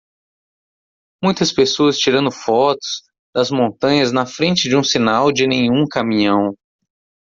muitas pessoas tirando fotos das montanhas na frente de um sinal de nenhum caminhão